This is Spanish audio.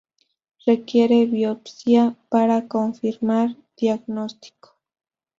Requiere biopsia para confirmar diagnóstico.